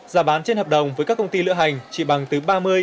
giá bán trên hợp đồng với các công ty lữ hành chỉ bằng từ ba mươi